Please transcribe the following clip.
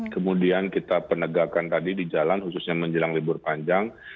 kemudian kita penegakan tadi di jalan khususnya menjelang libur panjang